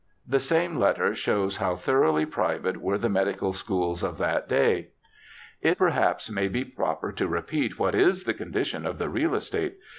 The same letter shows how thoroughly private were the medical schools of that day :' It perhaps may be proper to repeat what is the con dition of the real estate.